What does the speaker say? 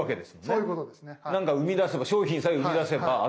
そういうことですね。